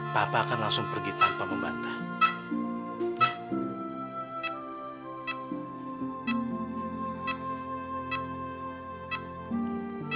bapak akan langsung pergi tanpa membantah